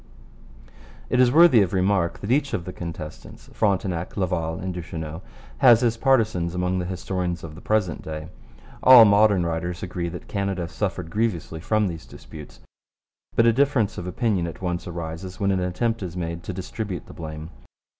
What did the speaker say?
It is worthy of remark that each of the contestants, Frontenac, Laval, and Duchesneau, has his partisans among the historians of the present day. All modern writers agree that Canada suffered grievously from these disputes, but a difference of opinion at once arises when an attempt is made to distribute the blame.